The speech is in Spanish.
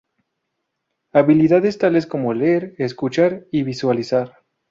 Habilidades tales como leer, escuchar y visualizar.